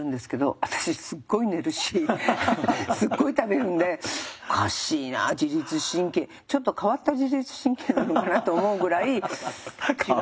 私すっごい寝るしすっごい食べるんでおかしいな自律神経ちょっと変わった自律神経なのかなと思うぐらい違うなあ。